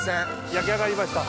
焼き上がりました。